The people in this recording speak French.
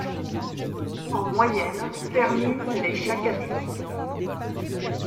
En moyenne, terminent les chaque année.